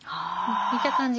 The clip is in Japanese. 見た感じ